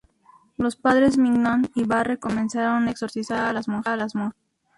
Los padres Mignon y Barre comenzaron a exorcizar a las monjas.